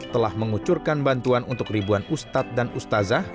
telah mengucurkan bantuan untuk ribuan ustad dan ustazah